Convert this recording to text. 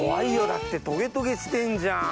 だってトゲトゲしてるじゃん。